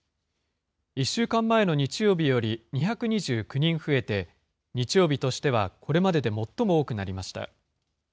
１週間前の日曜日より２２９人増えて、日曜日としてはこれまでで最も多くなりました。